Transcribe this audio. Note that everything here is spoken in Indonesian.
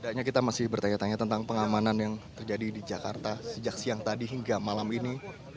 tidaknya kita masih bertanya tanya tentang pengamanan yang terjadi di jakarta sejak siang tadi hingga malam ini